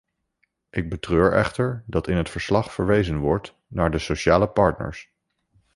Ik betreur echter dat in het verslag verwezen wordt naar de sociale partners.